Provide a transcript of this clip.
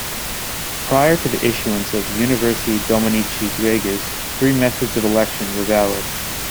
Prior to the issuance of "Universi Dominici gregis", three methods of election were valid.